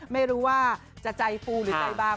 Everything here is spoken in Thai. ไม่รู้ว่าจะใจฟูหรือใจบาง